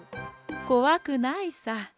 こわくないさ。